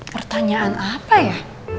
pertanyaan apa ya